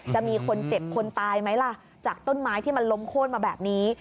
จะมีคนเจ็บคนตายไหมล่ะจากต้นไม้ที่มันล้มโค้นมาแบบนี้